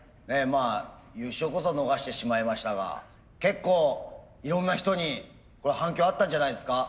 まあ優勝こそ逃してしまいましたが結構いろんな人に反響あったんじゃないですか？